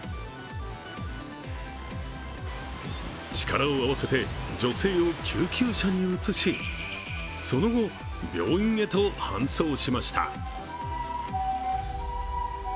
力を合わせて、女性を救急車に移しその後、病院へと搬送しました。